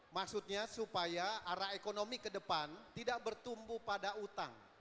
maksudnya supaya arah ekonomi kedepan tidak bertumbuh pada utang